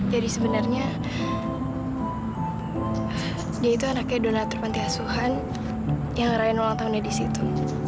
jadi sebenarnya dia itu anaknya donator pantiasuhan yang ngerayain ulang tahunnya di situ